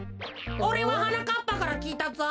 おれははなかっぱからきいたぞ。